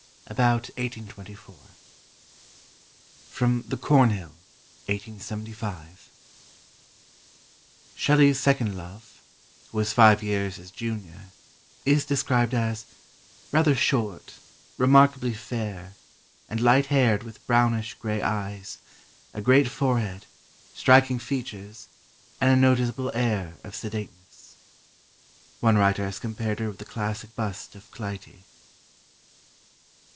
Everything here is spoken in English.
About 1824. [Sidenote: The Cornhill, 1875.] "Shelley's second love, who was five years his junior, is described as 'rather short, remarkably fair, and light haired with brownish gray eyes, a great forehead, striking features, and a noticeable air of sedateness.' One writer has compared her with the classic bust of Clytie."